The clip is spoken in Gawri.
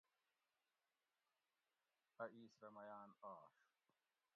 اۤ ایس رہ میاۤن آش